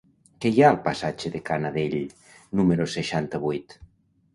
Què hi ha al passatge de Canadell número seixanta-vuit?